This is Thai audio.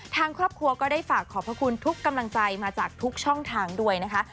ทางครอบครัวก็ได้ฝากขอบพระคุณทุกกำลังใจมาจากทุกช่องทางด้วยนะคะ